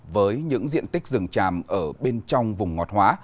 với những diện tích rừng tràm ở bên trong vùng ngọt hóa